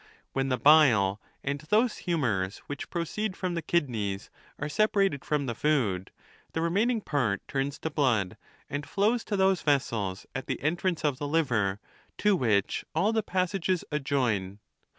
When the bile, and those humors which pro ceed from the kidneys, are separated from the food, the re maining part turns to blood, and flows to those vessels at the entrance of the liver to which all the passages adjoin.